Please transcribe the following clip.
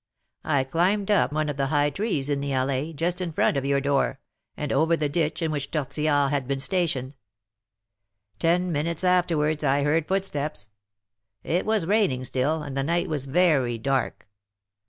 I climbed up one of the high trees in the Allée, just in front of your door, and over the ditch in which Tortillard had been stationed. Ten minutes afterwards I heard footsteps; it was raining still, and the night was very dark.